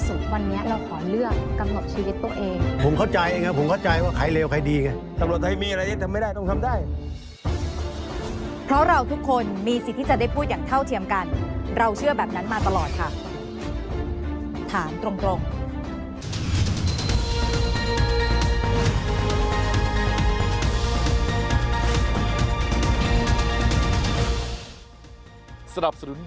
สวัสดีครับ